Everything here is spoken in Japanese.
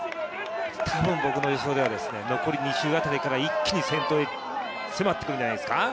多分僕の予想ではですね、残り２周辺りから一気に先頭辺りに詰まってくるんじゃないですか。